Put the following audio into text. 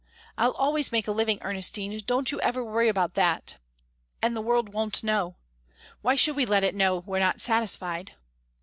I'll always make a living, Ernestine don't you ever worry about that! And the world won't know why should we let it know we're not satisfied?